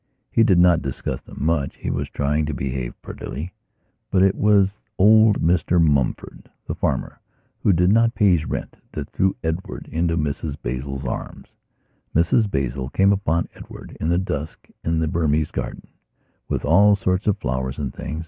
He did not discuss them much; he was trying to behave prettily. But it was old Mr Mumfordthe farmer who did not pay his rentthat threw Edward into Mrs Basil's arms. Mrs Basil came upon Edward in the dusk, in the Burmese garden, with all sorts of flowers and things.